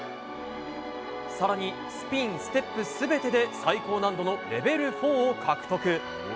更にスピン、ステップ全てで最高難度のレベル４を獲得。